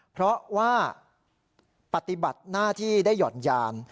เพราะว่าปฏิบัติหน้าที่ได้ห่อนยาน